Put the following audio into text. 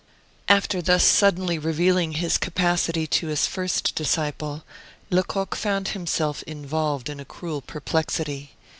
After thus suddenly revealing his capacity to his first disciple, Lecoq found himself involved in a cruel perplexity.